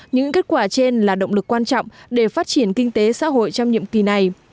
những kết quả trên là động lực quan trọng để phát triển kinh tế xã hội trong nhiệm kỳ này